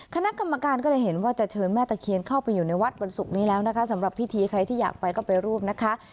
คณะกรรมการก็เลยเห็นว่าจะเชิญแม่ตะเคียนเข้าไปอยู่ในวัดวันศุกร์นี้แล้วนะคะสำหรับพิธีใครที่อยากไปก็ไปร่วมนะคะ